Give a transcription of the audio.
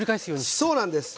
そうなんです。